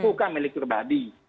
bukan milik pribadi